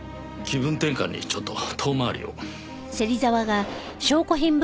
気分転換にちょっと遠回りを。